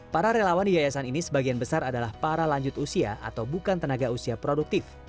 para relawan di yayasan ini sebagian besar adalah para lanjut usia atau bukan tenaga usia produktif